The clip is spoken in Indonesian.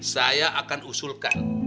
saya akan usulkan